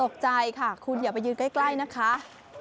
ตกใจค่ะคุณอย่าไปยืนใกล้นะคะ